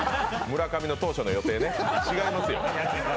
村上の当初の予定ね、違いますよ。